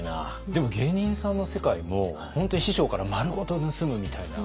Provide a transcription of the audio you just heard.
でも芸人さんの世界も本当に師匠からまるごと盗むみたいな。